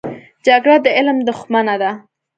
جګړه د علم دښمنه ده